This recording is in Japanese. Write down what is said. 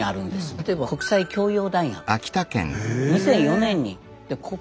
例えば「国際教養大学」というの。